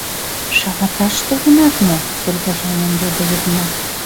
— Шалаташ толынат мо? — тургыжланен йодо Йыгнат.